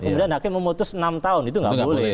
kemudian hakim memutus enam tahun itu nggak boleh